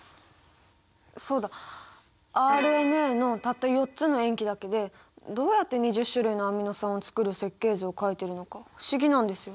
そうだ！ＲＮＡのたった４つの塩基だけでどうやって２０種類のアミノ酸を作る設計図を描いてるのか不思議なんですよ。